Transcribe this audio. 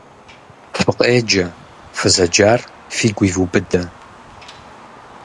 Фыкъеджэ, фызэджэр фигу ивубыдэ!